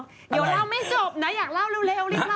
เดี๋ยวเราไม่จบนะอยากเล่าเร็วรึเปล่า